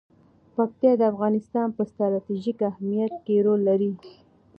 پکتیا د افغانستان په ستراتیژیک اهمیت کې رول لري.